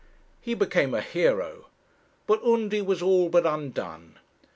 He became a hero; but Undy was all but undone.